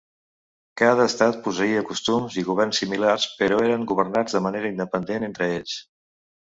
Cada estat posseïa costums i govern similars, però eren governats de manera independent entre ells.